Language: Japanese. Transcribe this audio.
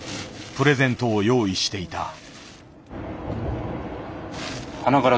プレゼントを用意していた。